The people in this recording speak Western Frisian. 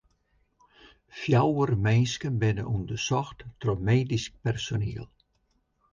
Fjouwer minsken binne ûndersocht troch medysk personiel.